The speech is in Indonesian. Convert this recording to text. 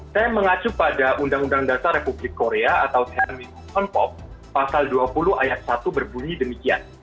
saya mengacu pada undang undang dasar republik korea atau trming onpop pasal dua puluh ayat satu berbunyi demikian